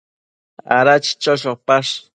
Ada chicho chopash ?